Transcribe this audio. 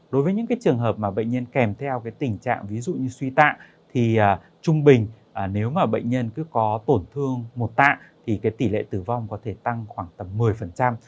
đối với những trường hợp mà bệnh nhân kèm theo tình trạng ví dụ như suy tạng thì trung bình nếu mà bệnh nhân cứ có tổn thương một tạ thì tỷ lệ tử vong có thể tăng khoảng tầm một mươi